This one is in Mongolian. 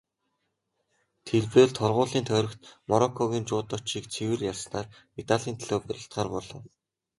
Тэр бээр торгуулийн тойрогт Мороккогийн жүдочийг цэвэр ялснаар медалийн төлөө барилдахаар болов.